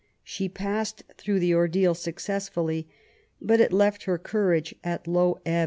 She passed through the ordeal successfully^ but it left her courage at low ebb.